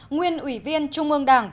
nguyên ủy viên trung ương đảng